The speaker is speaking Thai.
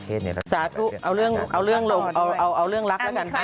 สาธุเอาเรื่องลงเอาเรื่องรักแล้วกันค่ะ